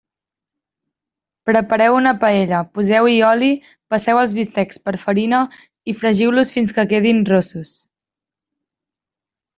Prepareu una paella, poseu-hi oli, passeu els bistecs per farina i fregiu-los fins que quedin ros-sos.